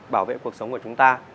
bảo vệ cuộc sống của chúng ta